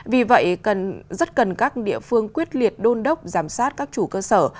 vì vậy rất cần các địa phương quyết liệt đôn đốc giám sát các chủ cơ sở